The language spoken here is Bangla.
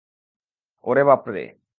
ওরে, বাপরে।